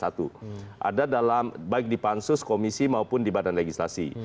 ada dalam baik di pansus komisi maupun di badan legislasi